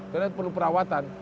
karena perlu perawatan